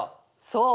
そう。